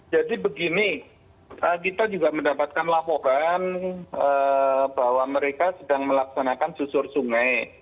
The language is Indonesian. jadi begini kita juga mendapatkan laporan bahwa mereka sedang melaksanakan susur sungai